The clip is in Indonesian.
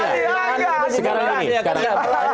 dari mahal lain